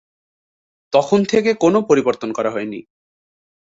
তখন থেকে কোন পরিবর্তন করা হয়নি।